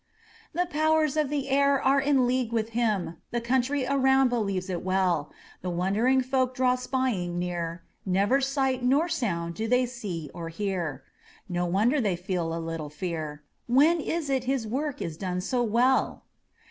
The powers of the air are in league with him; The country around believes it well; The wondering folk draw spying near; Never sight nor sound do they see or hear; No wonder they feel a little fear; When is it his work is done so well?